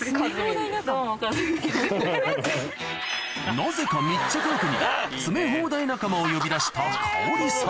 なぜか密着ロケに詰め放題仲間を呼び出した香織さん